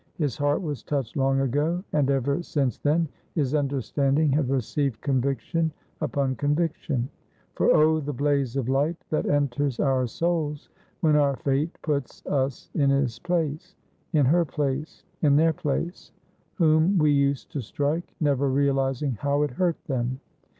His heart was touched long ago, and ever since then his understanding had received conviction upon conviction; for, oh, the blaze of light that enters our souls when our fate puts us in his place in her place in their place whom we used to strike, never realizing how it hurt them!